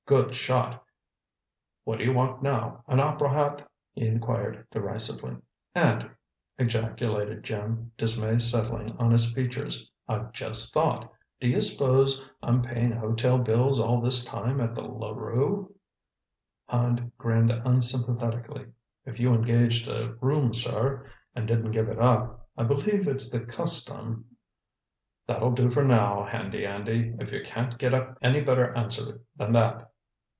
"Good shot! What d'you want now an opera hat?" he inquired derisively. "Andy!" ejaculated Jim, dismay settling on his features. "I've just thought! Do you s'pose I'm paying hotel bills all this time at The Larue?" Hand grinned unsympathetically. "If you engaged a room, sir, and didn't give it up, I believe it's the custom " "That'll do for now, Handy Andy, if you can't get up any better answer than that.